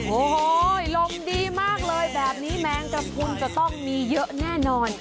โอ้โหลมดีมากเลยแบบนี้แมงกระพุนจะต้องมีเยอะแน่นอน